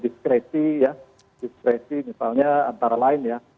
diskreti ya diskreti misalnya antara lain ya